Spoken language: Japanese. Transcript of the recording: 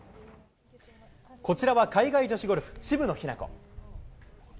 こちらは海外女子ゴルフ、渋野日向子。